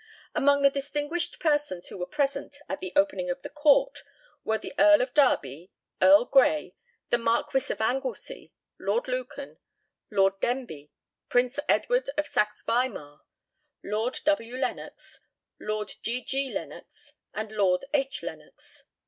Among the distinguished persons who were present at the opening of the Court were the Earl of Derby, Earl Grey, the Marquis of Anglesea, Lord Lucan, Lord Denbigh, Prince Edward of Saxe Weimar, Lord W. Lennox, Lord G. G. Lennox, and Lord H. Lennox.